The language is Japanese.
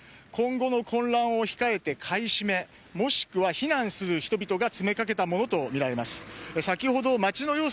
今後の混乱を控えて買い占めもしくは避難する人々が詰めかけたとみられています。